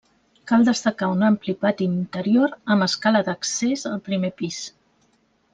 Cal destacar un ampli pati interior amb escala d'accés al primer pis.